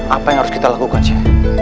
apa yang harus kita lakukan chef